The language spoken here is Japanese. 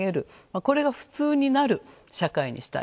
これが普通になる社会にしたい。